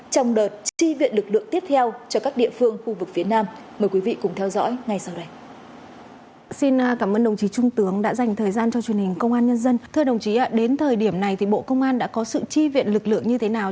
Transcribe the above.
trong đợt trì viện lực lượng tiếp theo